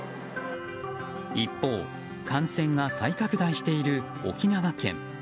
一方、感染が再拡大している沖縄県。